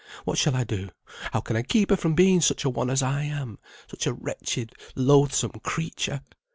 What shall I do? How can I keep her from being such a one as I am; such a wretched, loathsome creature!